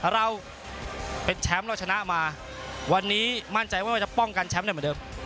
เราเป็นแชมป์เราชนะมาวันนี้มั่นใจว่าจะป้องกันแชมป์ได้เหมือนเดิม